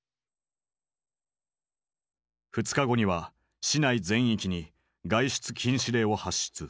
２日後には市内全域に外出禁止令を発出。